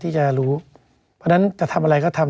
เพราะฉะนั้นจะทำอะไรก็ทำ